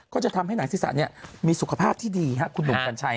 ก็จะทำให้หนังศีรษะมีสุขภาพที่ดีครับคุณหนุ่มกัญชัย